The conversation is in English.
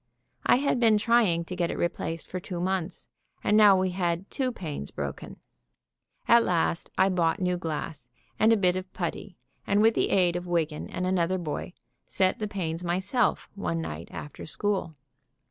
I had been trying to get it replaced for two months; and now we had two panes broken. At last I bought new glass and a bit of putty and with the aid of Wiggan and another boy, set the panes myself one night after school.